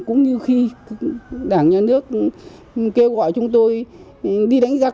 cũng như khi đảng nhà nước kêu gọi chúng tôi đi đánh giặc